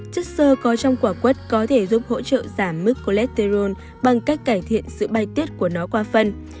chất sơ có trong quả quất có thể giúp hỗ trợ giảm mức cholesterol bằng cách cải thiện sự bay tiết của nó qua phân